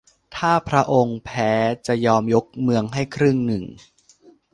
ถ้าพระองค์แพ้จะยอมยกเมืองให้ครึ่งหนึ่ง